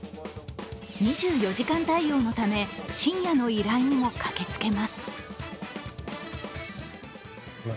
２４時間対応のため深夜の依頼にも駆けつけます。